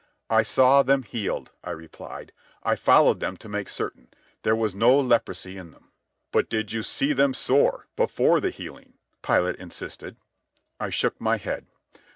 "I saw them healed," I replied. "I followed them to make certain. There was no leprosy in them." "But did you see them sore?—before the healing?" Pilate insisted. I shook my head.